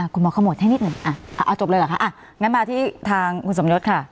คุณหมอขมวดให้นิดหนึ่งเอาจบเลยเหรอคะอ่ะงั้นมาที่ทางคุณสมยศค่ะ